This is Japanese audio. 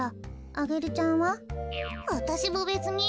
アゲルちゃんは？わたしもべつに。